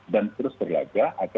dan terus berlagak